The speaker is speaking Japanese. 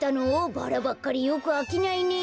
バラばっかりよくあきないね。